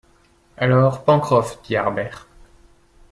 Alors, Pencroff, dit Harbert